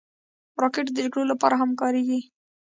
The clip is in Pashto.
راکټ د جګړو لپاره هم کارېږي